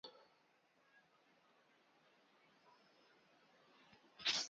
Â lɔ́ ú kítūm chèŋ.